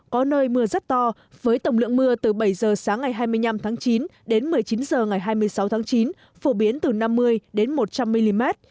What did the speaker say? có nơi mưa rất to với tổng lượng mưa từ bảy giờ sáng ngày hai mươi năm tháng chín đến một mươi chín h ngày hai mươi sáu tháng chín phổ biến từ năm mươi đến một trăm linh mm